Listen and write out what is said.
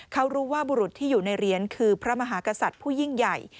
เขารู้ว่าบุรุษที่อยู่ในเหรียญคือพระมหากษัตริย์ผู้ยิ่งใหญ่